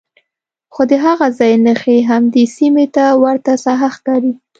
خو د هغه ځای نښې همدې سیمې ته ورته ساحه ښکاري.